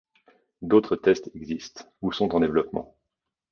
D’autres test existent, ou sont en développement.